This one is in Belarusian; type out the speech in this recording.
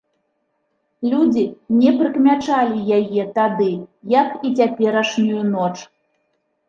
Людзі не прыкмячалі яе тады, як і цяперашнюю ноч.